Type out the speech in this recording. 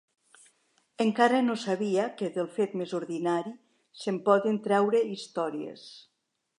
Encara no sabia que del fet més ordinari, se'n poden treure històries